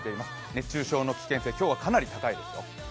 熱中症の危険性、今日はかなり高いですよ。